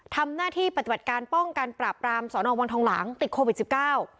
ทำหน้าที่ปฏิบัติการป้องกันปราบรามสอนอวังทองหลังติดโควิดสิบเก้า